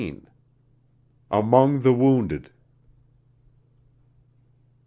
AMONG THE WOUNDED.